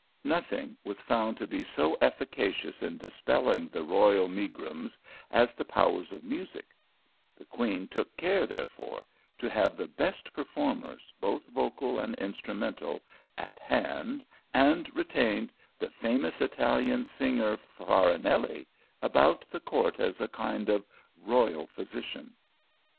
Nothing was found to be so efficacious in dispel ling the royal megrims as the powers of music ; the queen took care, therefore, to have the best per formers, both vocal and instrumental, at hand, and retained the famous Italian singer Farinelli about the court as a kind of royal physician.